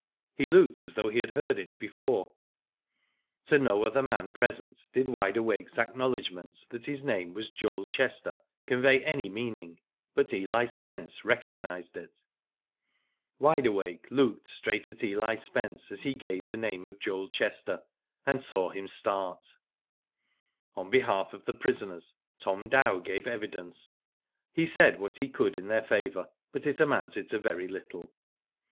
He looked as though he had heard it before. Digitized byGoogk 242 WHO DID ITf To no other man present did Wide Awake's acknowledgment that his name was Joel Chester convey any meaning, but Eli Spence recognised it. Wide Awake looked straight at Eli Spence as he gave the name of Joel Chester, and saw him start. On behalf of the prisoners, Tom Dow gave evidence. He said what he could in their favour, but it amounted to very little.